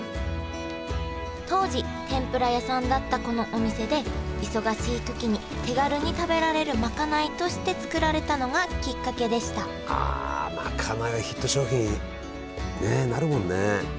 当時天ぷら屋さんだったこのお店で忙しいときに手軽に食べられるまかないとして作られたのがきっかけでしたあまかないはヒット商品ねえなるもんね。